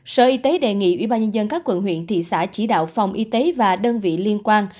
sở y tế đề nghị ubnd các quận huyện thị xã chỉ đạo phòng y tế và đơn vị liên quan